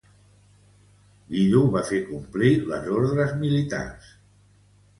Guido va fer complir les ordres militars.